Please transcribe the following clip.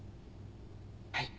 はい。